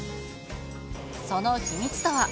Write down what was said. その秘密とは？